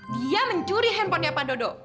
dia mencuri handphonenya pak dodo